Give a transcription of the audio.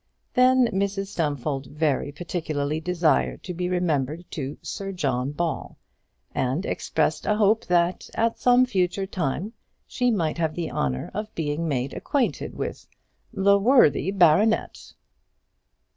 Then Mrs Stumfold very particularly desired to be remembered to Sir John Ball, and expressed a hope that, at some future time, she might have the honour of being made acquainted with "the worthy baronet."